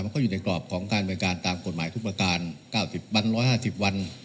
ก็อยู่ในกรอบของการบริการตามกฎหมายทุกประการ๙๐วัน๑๕๐วัน